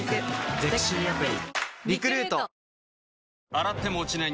洗っても落ちない